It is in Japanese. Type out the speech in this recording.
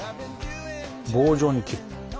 棒状に切る。